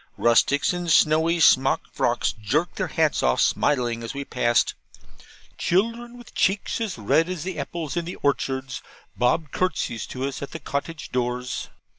Rustics in snowy smock frocks jerked their hats off smiling as we passed. Children, with cheeks as red as the apples in the orchards, bobbed curtsies to us at the cottage doors.